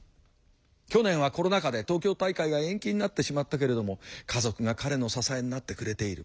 去年はコロナ禍で東京大会が延期になってしまったけれども家族が彼の支えになってくれている。